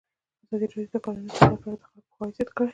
ازادي راډیو د د کانونو استخراج په اړه د خلکو پوهاوی زیات کړی.